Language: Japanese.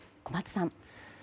小松さん。